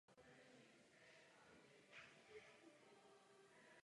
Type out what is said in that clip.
Všechny tři povídky okrajově souvisí s lékařským prostředím.